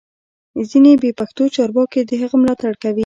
ځینې بې پښتو چارواکي د هغه ملاتړ کوي